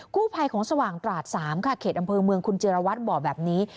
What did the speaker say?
กู้ภัยของสว่างตราด๓ค่ะเขตอำเภอเมืองคุณจิรวัตรบอกแบบนี้